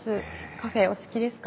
カフェお好きですか？